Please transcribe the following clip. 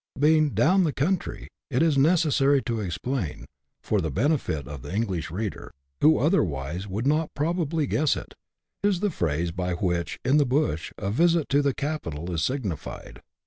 Being " down the country," — it is necessary to explain, for the benefit of the English reader, who otherwise would not probably guess it — is the phrase by which, in " the bush," a visit to the capital is signified.